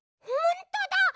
ほんとだ！